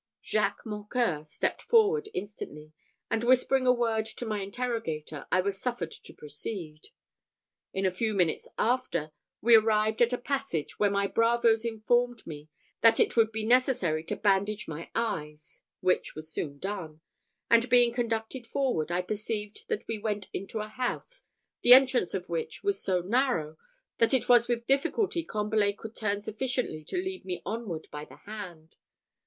Jacques Mocqueur stepped forward instantly, and whispering a word to my interrogator, I was suffered to proceed. In a few minutes after, we arrived at a passage, where my bravoes informed me that it would be necessary to bandage my eyes, which was soon done; and being conducted forward, I perceived that we went into a house, the entrance of which was so narrow, that it was with difficulty Combalet could turn sufficiently to lead me onward by the hand.